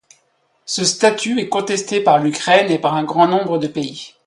Ce statut est contesté par l'Ukraine et par un grand nombre de pays.